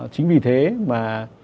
chính vì thế mà